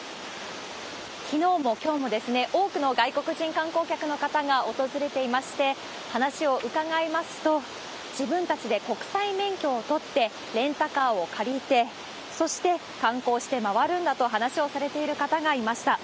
きのうもきょうも多くの外国人観光客の方が訪れていまして、話を伺いますと、自分たちで国際免許を取って、レンタカーを借りて、そして観光して回るんだと話をされている方がいました。